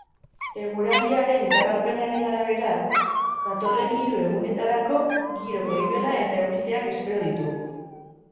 Eguraldiaren iragarpenaren arabera, datorren hiru egunetarako giro goibela eta euriteak espero ditugu.